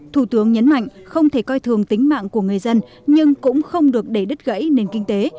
thủ tướng nhấn mạnh không thể coi thường tính mạng của người dân nhưng cũng không được để đứt gãy nền kinh tế